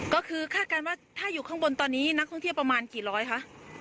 ก็คือคาดการณ์ว่าถ้าอยู่ข้างบนตอนนี้นักท่องเที่ยวประมาณกี่ร้อยคะ